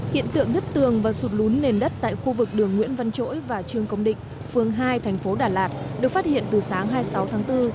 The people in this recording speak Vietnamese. hiện tượng nứt tường và sụt lún nền đất tại khu vực đường nguyễn văn chỗi và trương công định phường hai thành phố đà lạt được phát hiện từ sáng hai mươi sáu tháng bốn